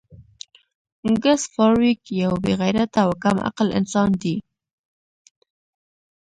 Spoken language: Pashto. ګس فارویک یو بې غیرته او کم عقل انسان دی